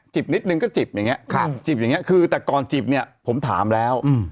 จิบนิดหนึ่งก็จิบอย่างนี้คือแต่ก่อนจิบผมถามแล้ว